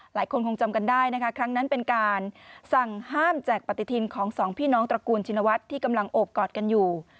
หลายคนคงจำกันได้นะคะครั้งนั้นเป็นการสั่งห้ามแจกปฏิทินของสองพี่น้องตระกูลชินวัฒน์ที่กำลังโอบกอดกันอยู่